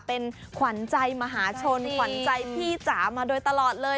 เป็นขวัญใจมหาชนขวัญใจพี่จ๋ามาโดยตลอดเลย